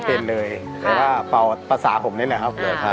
เป็นเลยแต่ว่าเป่าภาษาผมนี่แหละครับ